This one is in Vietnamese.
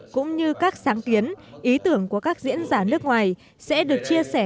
cũng như các sáng kiến ý tưởng của các diễn giả nước ngoài sẽ được chia sẻ